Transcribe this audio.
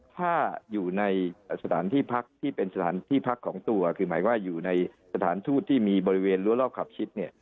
ถ้าอยู่ในสถานที่พักที่เป็นสถานที่พักของตัวคือหมายว่าอยู่ในสถานทูตที่มีบริเวณรั้วรอบขับชิด